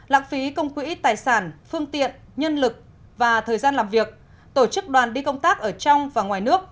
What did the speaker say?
lãng phí công quỹ tài sản phương tiện nhân lực và thời gian làm việc tổ chức đoàn đi công tác ở trong và ngoài nước